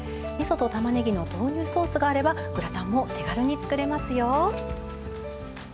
みそとたまねぎの豆乳ソースがあればグラタンも手軽に作れますよ。